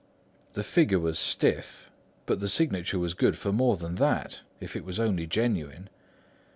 The figure was stiff; but the signature was good for more than that if it was only genuine.